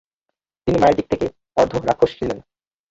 তিনি মায়ের দিক থেকে অর্ধ-রাক্ষস ছিলেন।